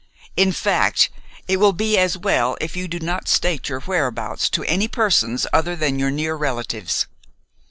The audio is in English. In fact, it will be as well if you do not state your whereabouts to any persons other than your near relatives.